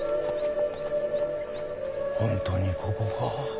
本当にここか？